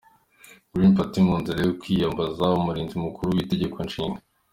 Green Party mu nzira yo kwiyambaza Umurinzi Mukuru w’Itegeko Nshinga.